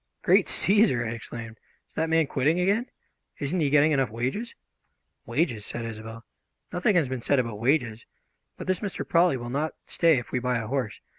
"Great Cæsar!" I exclaimed. "Is that man quitting again? Isn't he getting enough wages?" "Wages?" said Isobel. "Nothing has been said about wages. But this Mr. Prawley will not stay if we buy a horse.